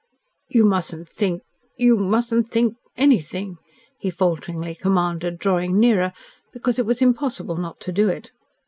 "You mustn't think you mustn't think ANYTHING," he falteringly commanded, drawing nearer, because it was impossible not to do it.